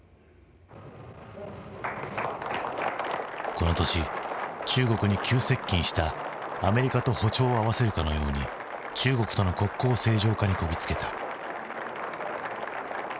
この年中国に急接近したアメリカと歩調を合わせるかのように中国との国交正常化にこぎつけた。